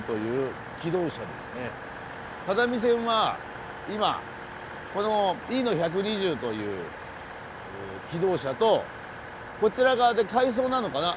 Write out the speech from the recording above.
只見線は今このＥの１２０という気動車とこちら側で回送なのかな？